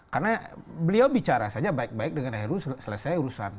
karena beliau bicara saja baik baik dengan heru selesai urusan